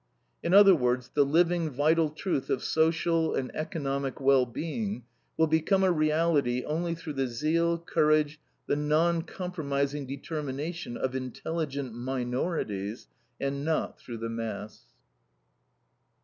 In other words, the living, vital truth of social and economic well being will become a reality only through the zeal, courage, the non compromising determination of intelligent minorities, and not through the mass.